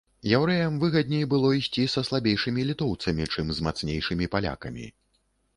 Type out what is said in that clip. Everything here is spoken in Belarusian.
Яўрэям выгадней было ісці са слабейшымі літоўцамі, чым з мацнейшымі палякамі.